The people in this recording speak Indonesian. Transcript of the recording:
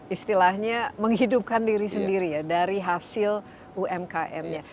istilahnya menghidupkan diri sendiri ya dari hasil umkm nya